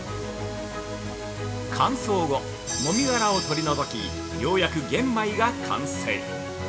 乾燥後、もみ殻を取り除きようやく玄米が完成。